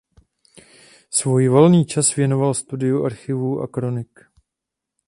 Svůj volný čas věnoval studiu archivů a kronik.